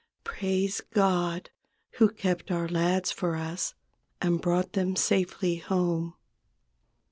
Praise God, who kept our lads for us And brought them safely home.